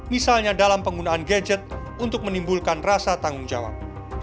misalnya dalam penggunaan gadget untuk menimbulkan rasa tanggung jawab